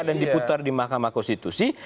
dan diputar di mahkamah konstitusi